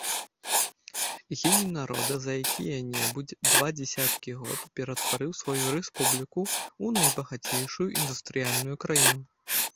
Геній народа за якія-небудзь два дзесяткі год ператварыў сваю рэспубліку ў найбагацейшую індустрыяльную краіну.